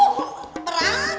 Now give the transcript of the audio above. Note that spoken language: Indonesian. tuas tri neng